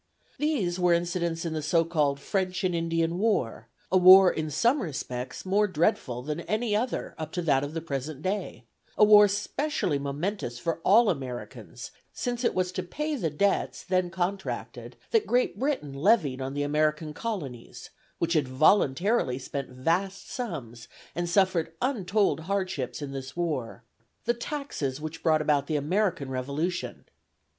These were incidents in the so called French and Indian War, a war in some respects more dreadful than any other up to that of the present day; a war specially momentous for all Americans, since it was to pay the debts then contracted that Great Britain levied on the American Colonies (which had voluntarily spent vast sums and suffered untold hardships in this war), the taxes which brought about the American Revolution.